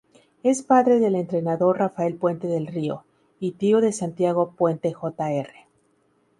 Es padre del entrenador Rafael Puente Del Río y tío de Santiago Puente Jr.